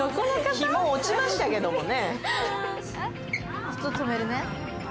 日も落ちましたけどもね。